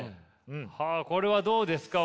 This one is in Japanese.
これはどうですか？